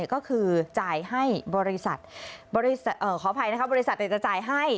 ก็คือจ่ายให้บริษัทขออภัยนะคะบริษัทจะจ่ายให้